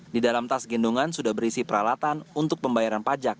di dalam tas gendongan sudah berisi peralatan untuk pembayaran pajak